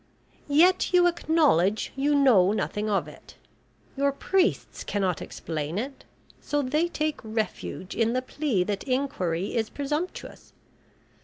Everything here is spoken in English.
"Yet you acknowledge you know nothing of it. Your priests cannot explain it, so they take refuge in the plea that inquiry is presumptuous.